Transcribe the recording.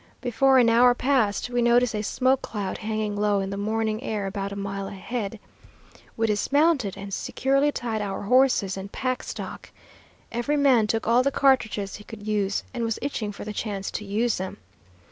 Before an hour passed, we noticed a smoke cloud hanging low in the morning air about a mile ahead. We dismounted and securely tied our horses and pack stock. Every man took all the cartridges he could use, and was itching for the chance to use them.